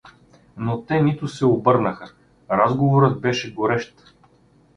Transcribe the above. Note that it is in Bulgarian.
Но те нито се обърнаха: разговорът беше горещ.